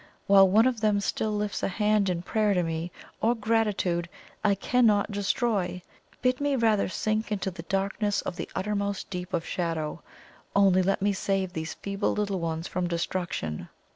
While one of them still lifts a hand in prayer to me, or gratitude, I cannot destroy! Bid me rather sink into the darkness of the uttermost deep of shadow; only let me save these feeble little ones from destruction!"